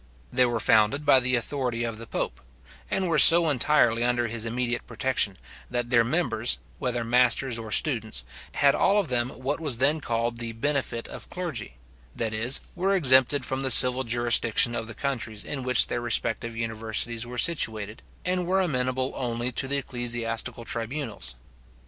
They were founded by the authority of the pope; and were so entirely under his immediate protection, that their members, whether masters or students, had all of them what was then called the benefit of clergy, that is, were exempted from the civil jurisdiction of the countries in which their respective universities were situated, and were amenable only to the ecclesiastical tribunals.